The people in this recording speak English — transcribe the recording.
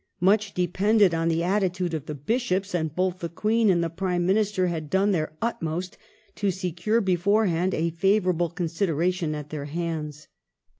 Much depended on the attitude oi the Bishops, and both the Queen and the Prime Minister had done their utmost to secure beforehand a favourable consideration at their hands.